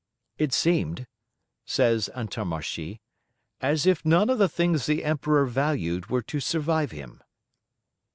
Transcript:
"It seemed," says Antommarchi, "as if none of the things the Emperor valued were to survive him."